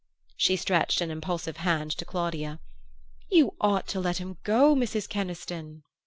She stretched an impulsive hand to Claudia. "You ought to let him go, Mrs. Keniston!"